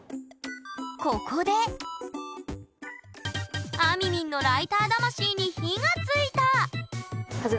ここであみみんのライター魂に火がついた！